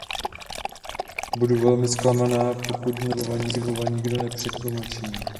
Budu velmi zklamaná, pokud dnes má slova nikdo nepřetlumočí.